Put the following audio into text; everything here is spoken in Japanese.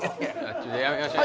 ちょっとやめときましょう